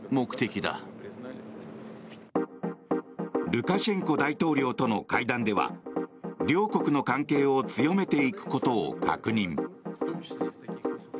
ルカシェンコ大統領との会談では両国の関係を強めていくことを確認。